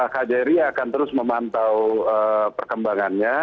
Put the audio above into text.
jadi kjri akan terus memantau perkembangannya